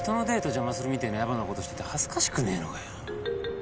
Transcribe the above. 邪魔するみてえなやぼなことしてて恥ずかしくねえのかよ。